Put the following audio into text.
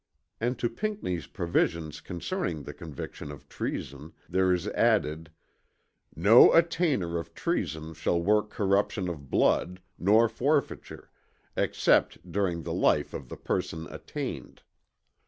And to Pinckney's provisions concerning the conviction of treason, there is added, "No attainder of treason shall work corruption of blood, nor forfeiture, except during the life of the person attainted."